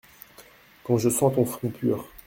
Quand je sens ton front pur…